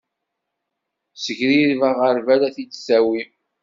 Ssegrireb aɣerbal ad t-id-ittawi.